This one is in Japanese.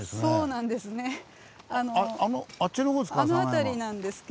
あっちの方ですか？